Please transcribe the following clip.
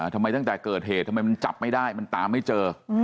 ตั้งแต่เกิดเหตุทำไมมันจับไม่ได้มันตามไม่เจอ